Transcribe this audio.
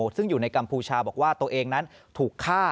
ซึ่งอยู่ในกัมพูชาบอกว่าตัวเองนั้นถูกฆ่า